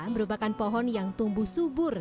merupakan pohon yang tumbuh subur